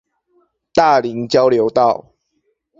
大林交流道